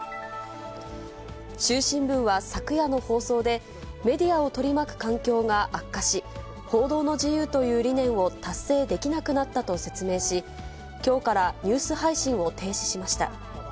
衆新聞は昨夜の放送で、メディアを取り巻く環境が悪化し、報道の自由という理念を達成できなくなったと説明し、きょうからニュース配信を停止しました。